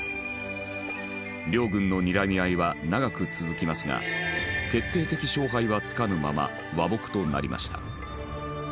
両軍のにらみ合いは長く続きますが決定的勝敗はつかぬまま和睦となりました。